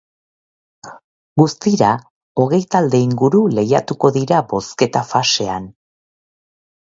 Guztira, hogei talde inguru lehiatuko dira bozketa-fasean.